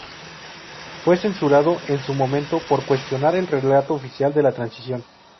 Fue censurado en su momento por cuestionar el relato oficial de la Transición.